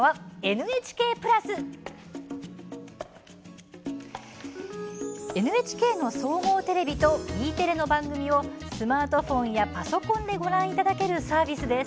ＮＨＫの総合テレビとＥテレの番組をスマートフォンやパソコンでご覧いただけるサービスです。